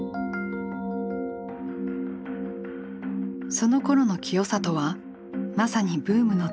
そのころの清里はまさにブームの絶頂期。